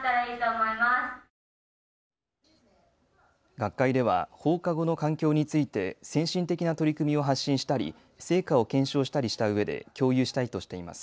学会では放課後の環境について先進的な取り組みを発信したり成果を検証したりしたうえで共有したいとしています。